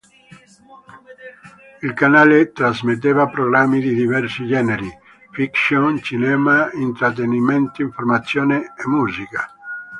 Il canale trasmetteva programmi di diversi generi: fiction, cinema, intrattenimento, informazione e musica.